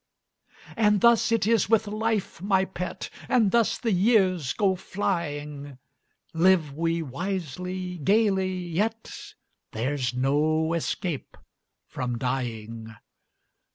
And thus it is with life, my pet, And thus the years go flying; Live we wisely, gaily, yet There's no escape from dying.